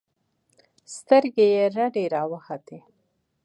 سترګې يې رډې راوختې.